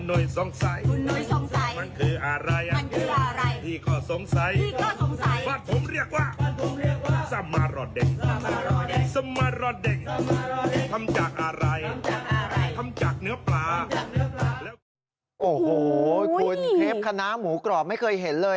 โอ้โหคุณเทปคณะหมูกรอบไม่เคยเห็นเลย